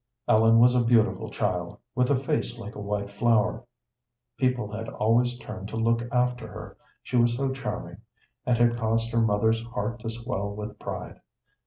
Ellen was a beautiful child, with a face like a white flower. People had always turned to look after her, she was so charming, and had caused her mothers heart to swell with pride.